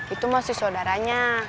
itu mah si saudaranya